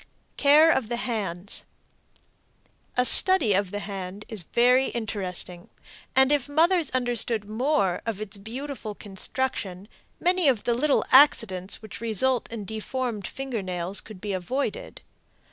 CARE OF THE HANDS. A study of the hand is very interesting, and if mothers understood more of its beautiful construction many of the little accidents which result in deformed finger nails could be avoided.